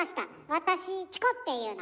私チコっていうの。